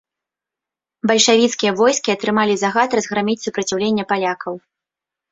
Бальшавіцкія войскі атрымалі загад разграміць супраціўленне палякаў.